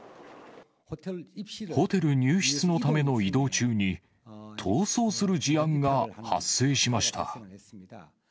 ホテル入室のための移動中に、逃走する事案が発生しました。